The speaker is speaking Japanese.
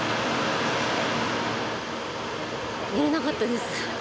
寝れなかったです。